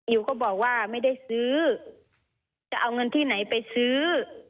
ก็บอกว่าไม่ได้ซื้อจะเอาเงินที่ไหนไปซื้อ